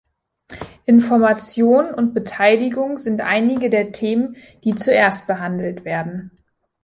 Information und Beteiligung sind einige der Themen, die zuerst behandelt werden.